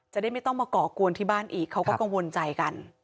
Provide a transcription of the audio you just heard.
จะได้ไม่ต้องมาก่อกวนที่บ้านอีกเขาก็กังวลใจกัน